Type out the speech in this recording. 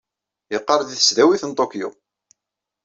Yeqqaṛ di tesdawit n ṭukyu.